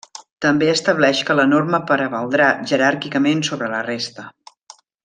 També estableix que la norma prevaldrà jeràrquicament sobre la resta.